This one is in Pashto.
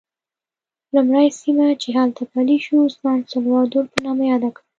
لومړی سیمه چې هلته پلی شو سان سولوا دور په نامه یاد کړه.